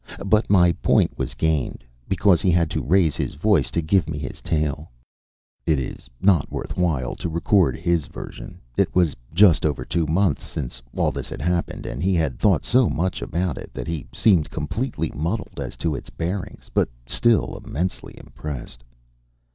But my point was gained, because he had to raise his voice to give me his tale. It is not worth while to record his version. It was just over two months since all this had happened, and he had thought so much about it that he seemed completely muddled as to its bearings, but still immensely impressed.